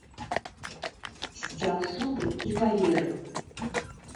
Сцяў зубы і паверыў.